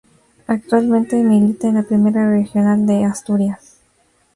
Actualmente milita en la Primera Regional de Asturias.